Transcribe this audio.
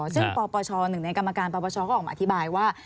ซึ่งปปชหนึ่งในกรรมการปปชก็ออกมาอธิบายว่า